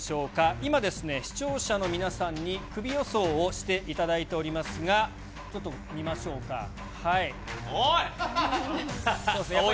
今ですね、視聴者の皆さんにクビ予想をしていただいておりますが、ちょっとおい！